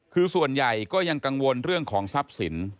คือส่วนใหญ่ก็ยังกังวลเรื่องของทรัพย์สิน